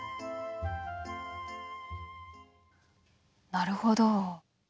なるほど。